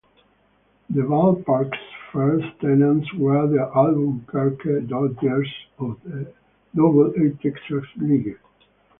The ballpark's first tenants were the Albuquerque Dodgers of the Double-A Texas League.